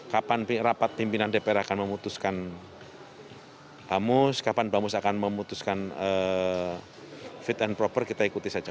kapan rapat pimpinan dpr akan memutuskan bamus kapan bamus akan memutuskan fit and proper kita ikuti saja